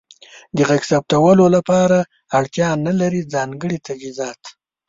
د غږ ثبتولو لپاره اړتیا نلرئ ځانګړې تجهیزات.